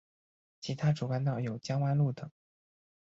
其他主干道有江湾路等。